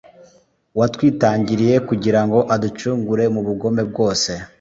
watwitangiriye kugira ngo aducungure mu bugome bwose